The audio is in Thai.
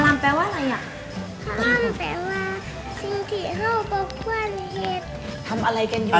คลำแปลว่าสิ่งที่เข้ากับพวกเพื่อนเห็ด